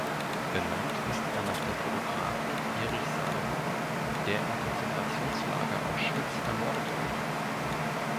Benannt ist er nach dem Fotografen Erich Salomon, der im Konzentrationslager Auschwitz ermordet wurde.